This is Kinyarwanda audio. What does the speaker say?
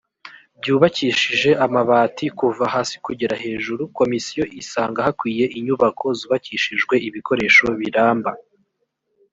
byubakishije amabati kuva hasi kugera hejuru komisiyo isanga hakwiye inyubako zubakishijwe ibikoresho biramba